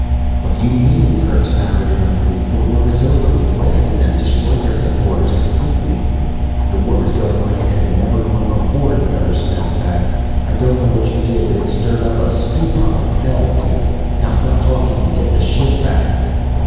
"What do you mean?" Kerk stammered in unbelief. "The war is over we blasted them, destroyed their headquarters completely." "The war is going like it never has gone before," the other snapped back. "I don't know what you did, but it stirred up the stewpot of hell here. Now stop talking and get the ship back!"